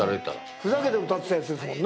ふざけて歌ってたやつですもんね？